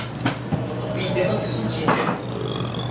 Vi devas suĉi ĝin